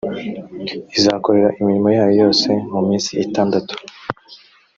uzakore imirimo yawe yose mu minsi itandatu,